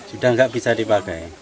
sudah nggak bisa dipakai